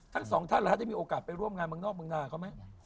ทั้งสองท่านได้มีโอกาสไปร่วมงานเมืองนอกเมืองนาเขาไหม